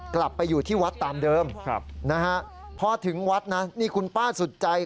กลับไปอยู่ที่วัดตามเดิมนะฮะพอถึงวัดนะนี่คุณป้าสุดใจ